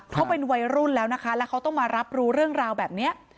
เขาเป็นวัยรุ่นแล้วนะคะแล้วเขาต้องมารับรู้เรื่องราวแบบนี้